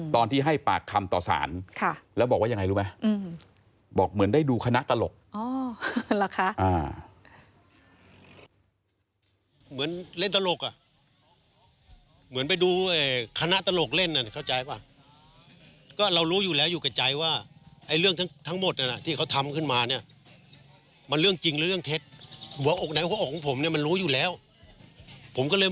ตอนที่ให้ปากคำต่อศาลแล้วบอกว่ายังไงรู้มั้ย